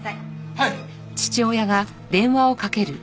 はい。